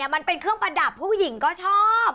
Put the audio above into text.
มันเป็นเครื่องประดับผู้หญิงก็ชอบ